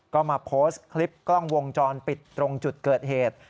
ก็มาโพสต์คลิปกล้องวงจรปิดตรงจุดเกิดเหตุ